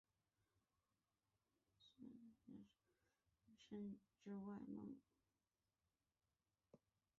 察北沙漠延伸至外蒙古。